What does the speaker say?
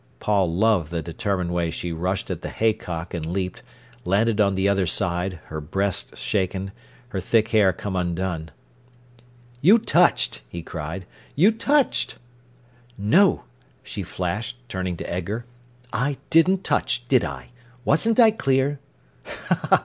Paul loved the determined way she rushed at the hay cock and leaped, landed on the other side, her breasts shaken, her thick hair come undone. "You touched!" he cried. "You touched!" "No!" she flashed, turning to Edgar. "I didn't touch, did I? Wasn't I clear?"